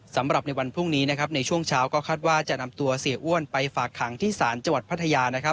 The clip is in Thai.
สำหรับในวันพรุ่งนี้นะครับในช่วงเช้าก็คาดว่าจะนำตัวสีอ้วนไปฝากคังที่สารจพัทยานะครับ